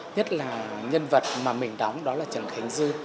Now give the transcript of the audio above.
nhất là nhân vật mà mình đóng đó là trần khánh dư